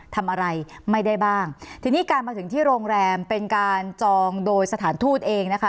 ทำอะไรไม่ได้บ้างทีนี้การมาถึงที่โรงแรมเป็นการจองโดยสถานทูตเองนะคะ